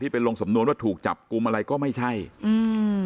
ไปลงสำนวนว่าถูกจับกลุ่มอะไรก็ไม่ใช่อืม